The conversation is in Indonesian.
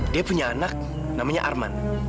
dia punya anak namanya arman